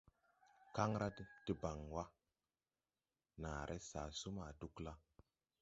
Kaŋ ra deban wa, naaré sasu ma Dugla.